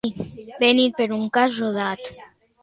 Venir per un cas rodat.